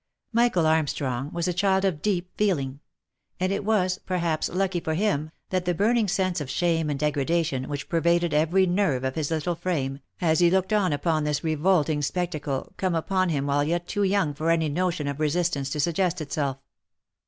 Michael Armstrong was a child of deep feeling ; and it was, per haps, lucky for him, that the burning sense of shame and degradation which pervaded every nerve of his little frame, as he looked on upon this revolting spectacle, come upon him while yet too young for any notion of resistance to suggest itself.